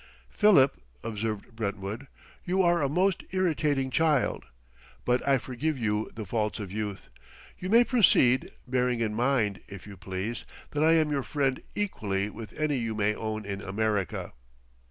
"Philip," observed Brentwood, "you are a most irritating child. But I forgive you the faults of youth. You may proceed, bearing in mind, if you please, that I am your friend equally with any you may own in America."